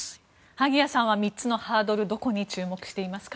萩谷さんは３つのハードルどこに注目していますか。